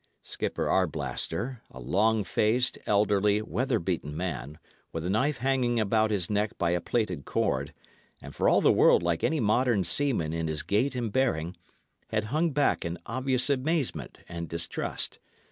Skipper Arblaster, a long faced, elderly, weather beaten man, with a knife hanging about his neck by a plaited cord, and for all the world like any modern seaman in his gait and bearing, had hung back in obvious amazement and distrust.